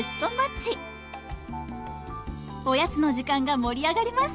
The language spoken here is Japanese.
おやつの時間が盛り上がります！